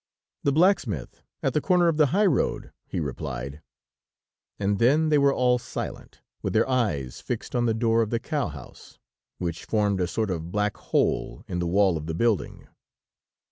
"The blacksmith at the corner of the highroad," he replied, and then they were all silent, with their eyes fixed on the door of the cow house, which formed a sort of black hole in the wall of the building.